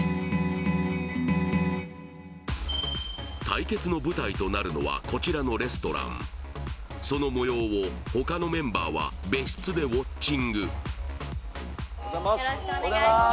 対決の舞台となるのはこちらのレストランその模様を他のメンバーは別室でウオッチングよろしくお願いします